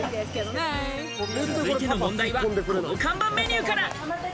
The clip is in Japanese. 続いての問題はこの看板メニューから！